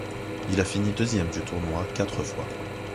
Il a fini deuxième du tournoi quatre fois.